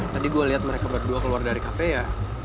tadi gue liat mereka berdua keluar dari cafe ya